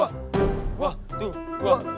waktu waktu waktu